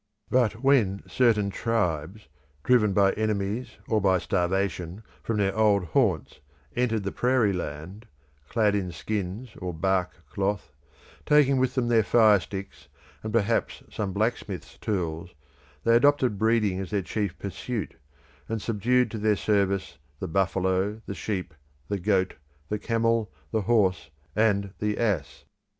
But when certain tribes, driven by enemies or by starvation from their old haunts, entered the prairie land, clad in skins or bark cloth, taking with them their fire sticks, and perhaps some blacksmith's tools, they adopted breeding as their chief pursuit, and subdued to their service the buffalo, the sheep, the goat, the camel, the horse, and the ass.